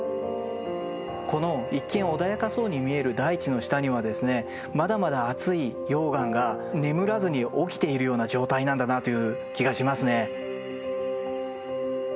この一見穏やかそうに見える大地の下にはですねまだまだ熱い溶岩が眠らずに起きているような状態なんだなという気がしますね。